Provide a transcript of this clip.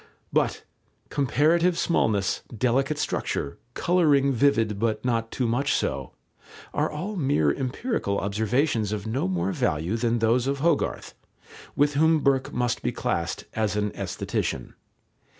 But "comparative smallness, delicate structure, colouring vivid but not too much so," are all mere empirical observations of no more value than those of Hogarth, with whom Burke must be classed as an aesthetician.